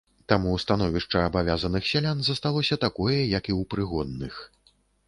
Таму становішча абавязаных сялян засталося такое, як і ў прыгонных.